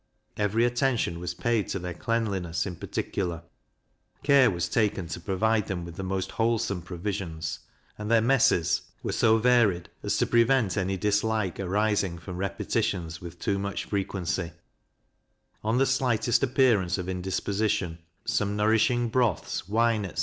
Every attention was paid to their cleanliness in particular, care was taken to provide them with the most wholesome provisions, and their messes were so varied as to prevent any dislike arising from repetitions with too much frequency; on the slightest appearance of indisposition, some nourishing broths, wine, etc.